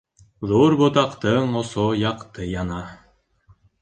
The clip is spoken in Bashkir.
Ҙур ботаҡтың осо яҡты яна.